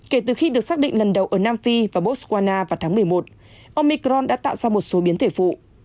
kể từ khi được xác định lần đầu ở nam phi và botswana vào tháng một mươi một ông micron đã tạo ra một số biến thể phụ